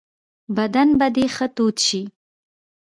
بدن به دي ښه تود شي .